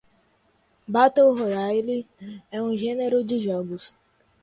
Battle Royale é um gênero de jogos.